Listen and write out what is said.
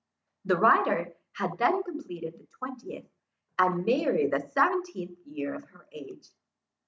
The writer had then completed the twentieth, and Mary the seventeenth year of her age.